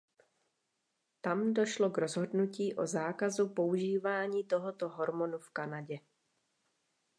Tam došlo k rozhodnutí o zákazu používání tohoto hormonu v Kanadě.